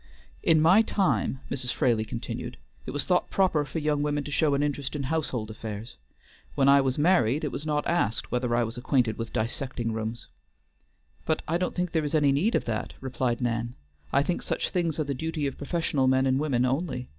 "In my time," Mrs. Fraley continued, "it was thought proper for young women to show an interest in household affairs. When I was married it was not asked whether I was acquainted with dissecting rooms." "But I don't think there is any need of that," replied Nan. "I think such things are the duty of professional men and women only.